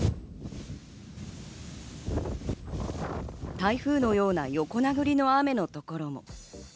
台風のような横殴りの雨の所も。